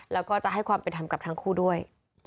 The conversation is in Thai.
แล้วก็จะให้ความเป็นธรรมกับทั้งคู่ด้วย